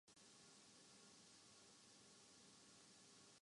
جنہیں حقیقی سیاسی عصبیت حاصل ہے